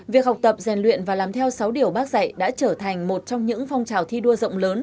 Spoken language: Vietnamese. việc học tập rèn luyện và làm theo sáu điều bác dạy đã trở thành một trong những phong trào thi đua rộng lớn